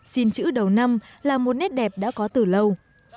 xin chữ đầu năm là một nét đẹp đã có từ lâu